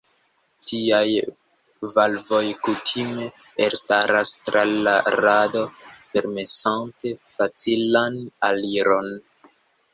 Tiaj valvoj kutime elstaras tra la rado permesante facilan aliron.